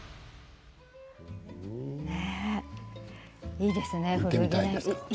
いいですね、古着。